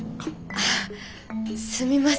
あすみません。